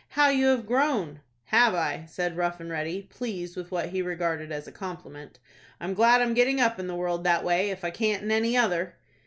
"How you have grown!" "Have I?" said Rough and Ready, pleased with what he regarded as a compliment. "I'm glad I'm getting up in the world that way, if I can't in any other."